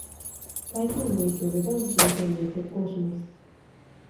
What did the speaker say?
台風の影響で、本日のフェリーは欠航します。